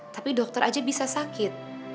tapi dokter aja bisa sakit